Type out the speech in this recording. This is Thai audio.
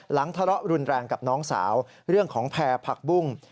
ทะเลาะรุนแรงกับน้องสาวเรื่องของแพร่ผักบุ้ง